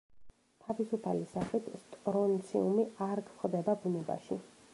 თავისუფალი სახით სტრონციუმი არ გვხვდება ბუნებაში.